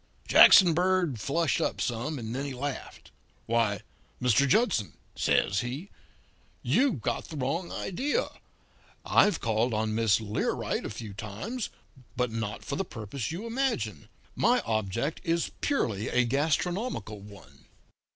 "Jackson Bird flushed up some, and then he laughed. "'Why, Mr. Judson,' says he, 'you've got the wrong idea. I've called on Miss Learight a few times; but not for the purpose you imagine. My object is purely a gastronomical one.'